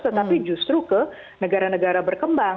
tetapi justru ke negara negara berkembang